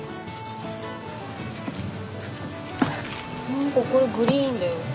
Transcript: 何かこれグリーンだよ。